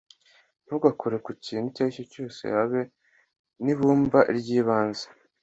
ntugakore ku kintu icyo ari cyo cyose habe n'ibumba ryibanze